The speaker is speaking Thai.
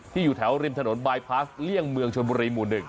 อยู่แถวริมถนนบายพลาสเลี่ยงเมืองชนบุรีหมู่๑